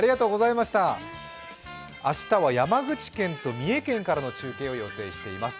明日は山口県と三重県からの中継を予定しています。